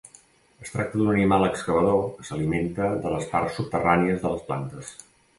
Es tracta d'un animal excavador que s'alimenta de les parts subterrànies de les plantes.